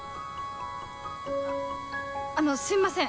あのすいません